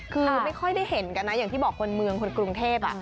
คือไม่ค่อยได้เห็นกันนะอย่างที่บอกคนเมืองคนกรุงเทพ